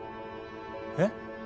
えっ？